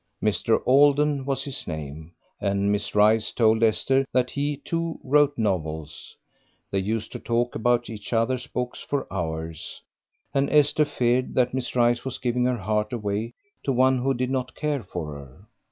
Mr. Alden was his name, and Miss Rice told Esther that he, too, wrote novels; they used to talk about each other's books for hours, and Esther feared that Miss Rice was giving her heart away to one who did not care for her.